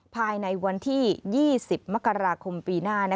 ภายในวันที่๒๐มกราคมปีหน้า